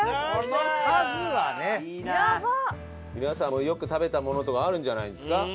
皆さんもよく食べたものとかあるんじゃないんですか？